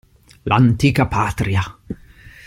L'antica patria.